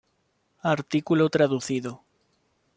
Artículo traducido